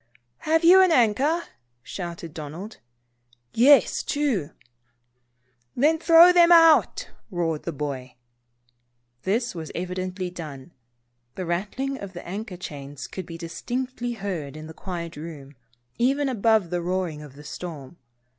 " Have you an anchor?" shouted Donald. "Yes, two." "Then, throw them both out," roared the boy. This was evidently done. The rattling of the anchor chains could be distinctly heard in the quiet room, even above the roaring of the storm.